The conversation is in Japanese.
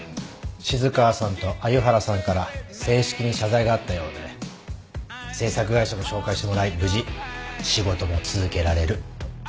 静川さんと鮎原さんから正式に謝罪があったようで制作会社も紹介してもらい無事仕事も続けられると。